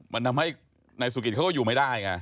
มันทำให้นายสุกิตเขาก็อยู่ไม่ได้ไง